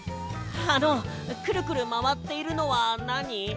あのクルクルまわっているのはなに？